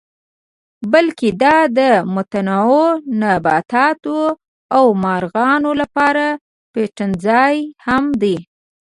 بلکې دا د متنوع نباتاتو او مارغانو لپاره پټنځای هم دی.